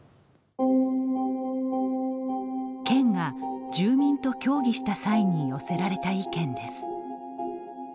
県が住民と協議した際に寄せられた意見です。